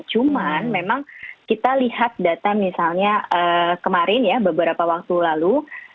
cuman memang kita lihat data misalnya kemarin ya beberapa waktu lalu